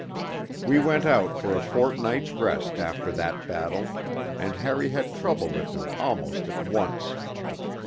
We went out for a fortnight's rest after that battle, and Harry had trouble with him almost at once.